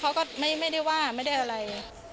เขาก็ไม่ได้ว่าไม่ได้อะไร